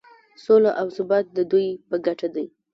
سوله او ثبات د دوی په ګټه دی.